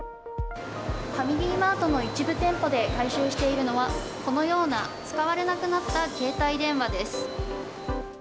ファミリーマートの一部店舗で回収しているのは、このような使われなくなった携帯電話です。